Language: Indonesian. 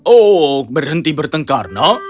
oh berhenti bertengkar nak